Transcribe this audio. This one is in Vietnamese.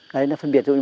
đấy nó phân biệt